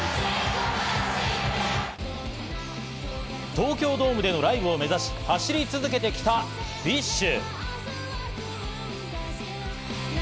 東京ドームでのライブを目指し、走り続けてきたＢｉＳＨ。